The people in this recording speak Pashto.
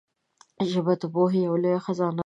ژبه د پوهې یو لوی خزانه ده